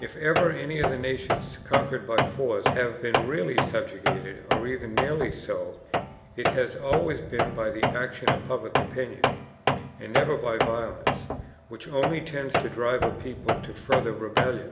If ever any of the nations conquered by force have been really subjugated, or even nearly so, it has always been by the action of public opinion, and never by violence, which only tends to drive a people to further rebellion.